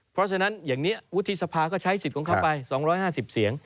เพราะฉะนั้นอย่างนี้วุฒิสภาก็ใช้สิทธิ์ของเขาไป๒๕๐เสียง